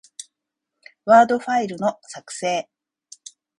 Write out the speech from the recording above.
ワードファイルの、作成